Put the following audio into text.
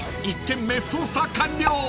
軒目捜査完了！］